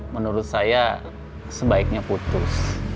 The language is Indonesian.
menurut saya sebaiknya putus